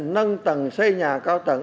nâng tầng xây nhà cao tầng